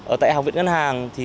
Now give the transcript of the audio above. ở tại học viện ngân hàng thì